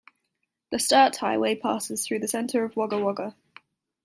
The Sturt Highway passes through the centre of Wagga Wagga.